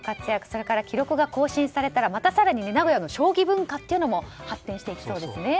それから記録が更新されたらまた更に名古屋の将棋文化も発展していきそうですね。